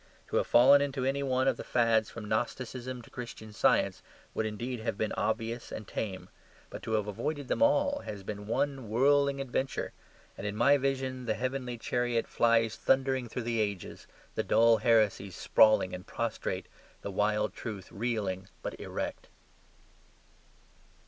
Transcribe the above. To have fallen into any one of the fads from Gnosticism to Christian Science would indeed have been obvious and tame. But to have avoided them all has been one whirling adventure; and in my vision the heavenly chariot flies thundering through the ages, the dull heresies sprawling and prostrate, the wild truth reeling but erect.